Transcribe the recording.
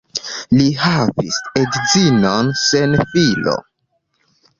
Li havis edzinon sen filo.